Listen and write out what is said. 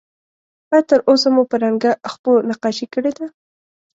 آیا تر اوسه مو په رنګه خپو نقاشي کړې ده؟